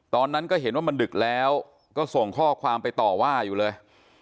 ตอนนั้นก็เห็นว่ามันดึกแล้วก็ส่งข้อความไปต่อว่าอยู่เลย